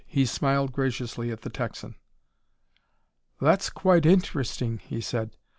He smiled graciously at the Texan. "That's quite interesting," he said.